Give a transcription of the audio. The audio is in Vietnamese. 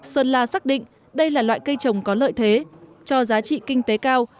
sơn la xác định đây là loại cây trồng có lợi thế cho giá trị kinh tế cao